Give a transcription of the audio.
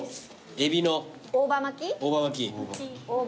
エビの大葉巻き。